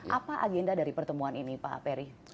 apa agenda dari pertemuan ini pak peri